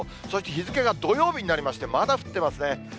そして、日付が土曜日になりまして、まだ降ってますね。